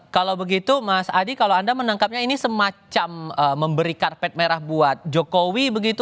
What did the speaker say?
kalau begitu mas adi kalau anda menangkapnya ini semacam memberi karpet merah buat jokowi begitu